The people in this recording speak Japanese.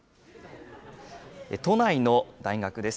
都内の大学です。